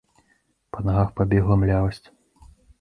Па нагах пабегла млявасць.